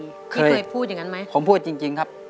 พี่เคยพูดอย่างนั้นไหมผมพูดจริงครับ